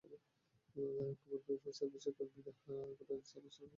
খবর পেয়ে ফায়ার সার্ভিসের কর্মীরা ঘটনাস্থলে আসার আগেই এলাকাবাসী আগুন নিয়ন্ত্রণে আনেন।